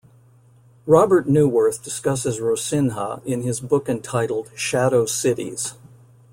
Robert Neuwirth discusses Rocinha in his book entitled "Shadow Cities".